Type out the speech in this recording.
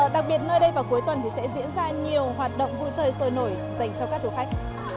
đặc biệt nơi đây vào cuối tuần thì sẽ diễn ra nhiều hoạt động vui chơi sôi nổi dành cho các du khách